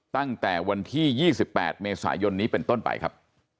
ตั้งแต่วันที่๒๘เมษายนนี้เป็นต้นไปครับ